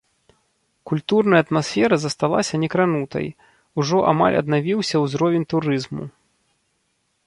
Культурная атмасфера засталася некранутай, ужо амаль аднавіўся ўзровень турызму.